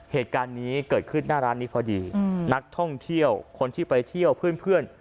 เหตุการณ์นี้เกิดขึ้นหน้าร้านนี้พอดีนักท่องเที่ยวคนที่ไปเที่ยวเพื่อน